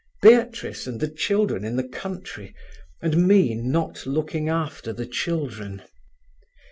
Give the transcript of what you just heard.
Beatrice and the children in the country, and me not looking after the children.